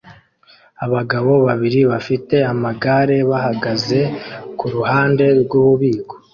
Abagabo babiri bafite amagare bahagaze kuruhande rwububiko